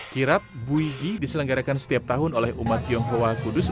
kirap buigi diselenggarakan setiap tahun oleh umat tionghoa kudus